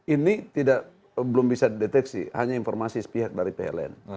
ini belum bisa dideteksi hanya informasi sepihak dari pln